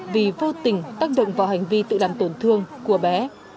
vì vô tình tác động vào hành vi tự làm tổn thương của bé